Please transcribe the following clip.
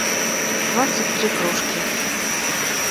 двадцать три кружки